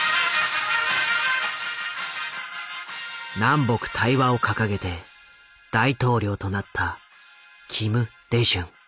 南北対話を掲げて大統領となったキム・デジュン。